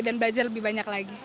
dan belajar lebih banyak lagi